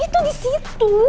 itu di situ